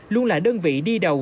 luôn là đơn vị đi đầu